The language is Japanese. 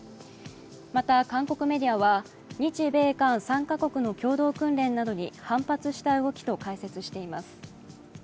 また韓国メディアは日米韓３か国の共同訓練などに反発した動きと解説しています。